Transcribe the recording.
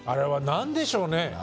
何でしょうね。